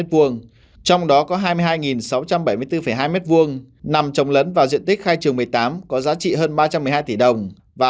trong đó có hai mươi hai sáu trăm bảy mươi bốn hai m hai nằm trồng lấn vào diện tích khai trường một mươi tám có giá trị hơn ba trăm một mươi hai tỷ đồng và